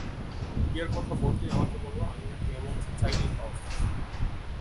বিয়ের কথা বলতেই আমাকে বলল, আমি নাকি এমন যে, চাইলেই পাওয়া যায়।